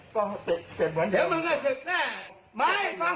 ใครสร้างญาติโยมสร้าง